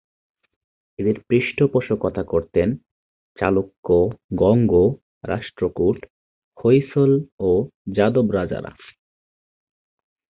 এঁদের পৃষ্ঠপোষকতা করতেন চালুক্য, গঙ্গ, রাষ্ট্রকূট, হৈসল ও যাদব রাজারা।